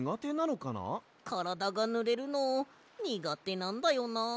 からだがぬれるのにがてなんだよな。